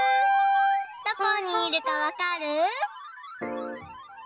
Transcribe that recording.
どこにいるかわかる？